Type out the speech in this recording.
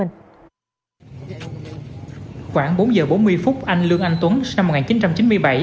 khoảng bốn giờ bốn mươi phút anh lương anh tuấn sinh năm một nghìn chín trăm chín mươi bảy